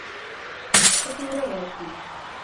Keturek ketik